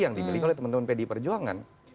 yang dibeli oleh teman teman pdi perjuangan